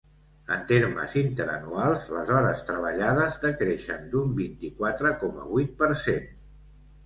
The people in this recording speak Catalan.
En termes interanuals, les hores treballades decreixen d’un vint-i-quatre coma vuit per cent.